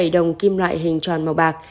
bảy mươi bảy đồng kim loại hình tròn màu bạc